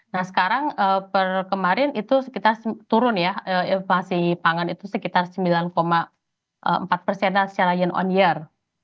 nah sekarang per kemarin itu kita turun ya inflasi pangan itu sekitar sembilan empat persenan secara year on year